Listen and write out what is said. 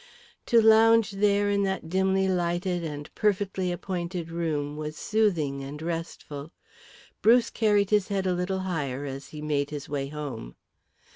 To lounge there in that dimly lighted and perfectly appointed room was soothing and restful. Bruce carried his head a little higher as he made his way home.